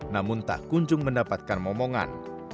namun tak kunjung mendapatkan momongan